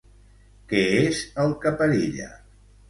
Què és el que perilla?